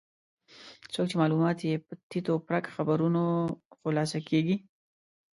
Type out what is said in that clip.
څوک چې معلومات یې په تیت و پرک خبرونو خلاصه کېږي.